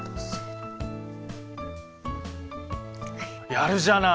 やるじゃない！